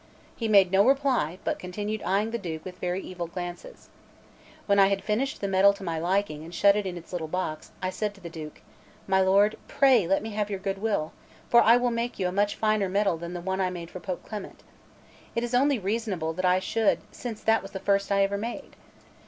He made no reply, but continued eyeing the Duke with very evil glances. When I had finished the medal to my liking, and shut it in its little box, I said to the Duke: "My lord, pray let me have your good will, for I will make you a much finer medal than the one I made for Pope Clement. It is only reasonable that I should since that was the first I ever made.